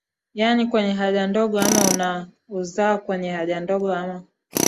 yani kwenye haja ndogo ama una uzaa kwenye haja ndogo kama